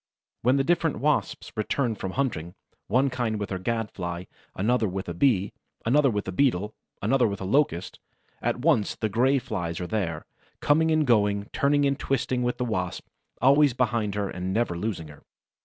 When the different Wasps return from hunting, one kind with her Gad fly, another with a Bee, another with a Beetle, another with a Locust, at once the Gray Flies are there, coming and going, turning and twisting with the Wasp, always behind her and never losing her.